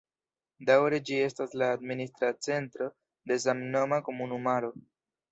Daŭre ĝi estas la administra centro de samnoma komunumaro.